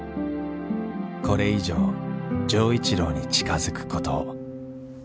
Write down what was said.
これ以上錠一郎に近づくことを。